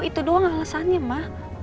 itu doang alasannya ma